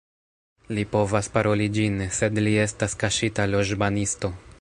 Li povas paroli ĝin, sed li estas kaŝita loĵbanisto